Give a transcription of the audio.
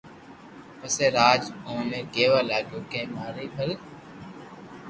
پسي راج اوني ڪيوا لاگيو ڪي ماري مھل